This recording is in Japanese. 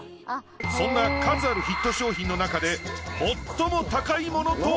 そんな数あるヒット商品のなかで最も高いモノとは？